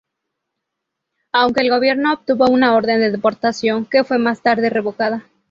Aunque el gobierno obtuvo una orden de deportación, que fue más tarde revocada.